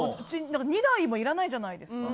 ２台もいらないじゃないですか。